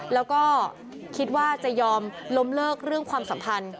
แล้วก็คิดว่าจะยอมล้มเลิกเรื่องความสัมพันธ์